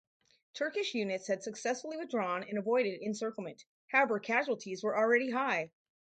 Turkish units had successfully withdrawn and avoided encirclement, however casualties were already high.